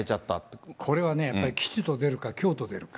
これ、これはね、やっぱり吉と出るか凶と出るか。